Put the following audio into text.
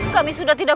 kami sudah tidak